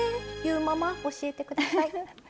ゆーママ教えてください。